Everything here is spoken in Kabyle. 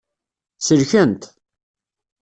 Selkent.